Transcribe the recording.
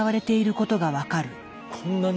こんなに？